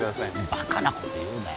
バカなこと言うなよ